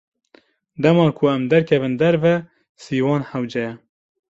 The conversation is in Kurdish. Dema ku em derkevin derve, sîwan hewce ye.